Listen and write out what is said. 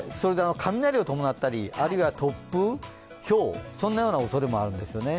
雷を伴ったり、突風、ひょう、そんなようなおそれもあるんですね。